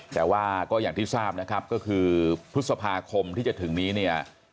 แต่ว่าก็อย่างที่ทราบนะครับก็คือพฤษภาคมที่จะถึงนี้เนี่ย